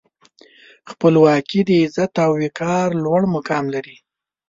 خپلواکي د عزت او وقار لوړ مقام لري.